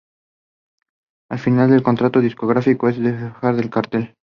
El final de un contrato discográfico es como dejar la carcel